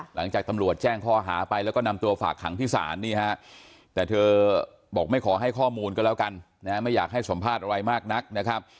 หลังจากตำรวจแจ้งข้อหาไปแล้วก็นำตัวฝากขังที่ศาลนี่ฮะแต่เธอบอกไม่ขอให้ข้อมูลก็แล้วกันนะไม่อยากให้สัมภาษณ์อะไรมากนักนะครับ